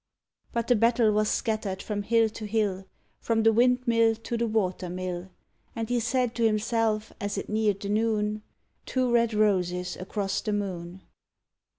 _ But the battle was scatter'd from hill to hill, From the windmill to the watermill; And he said to himself, as it near'd the noon, _Two red roses across the moon.